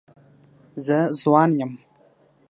زه ځوان یم.